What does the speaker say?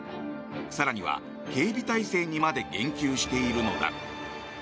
更には、警備態勢にまで言及しているのだ。